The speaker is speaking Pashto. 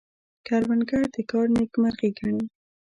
کروندګر د کار نیکمرغي ګڼي